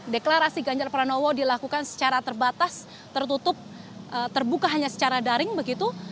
deklarasi ganjar pranowo dilakukan secara terbatas tertutup terbuka hanya secara daring begitu